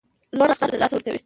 ځوان اشخاص له لاسه ورکوي.